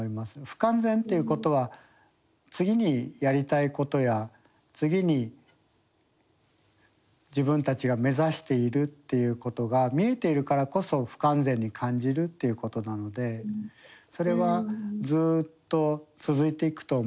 不完全っていうことは次にやりたいことや次に自分たちが目指しているっていうことが見えているからこそ不完全に感じるっていうことなのでそれはずっと続いていくと思うんです。